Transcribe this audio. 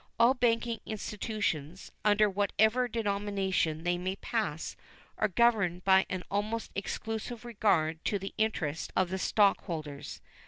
All banking institutions, under whatever denomination they may pass, are governed by an almost exclusive regard to the interest of the stockholders.